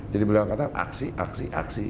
jadi beliau katakan aksi aksi aksi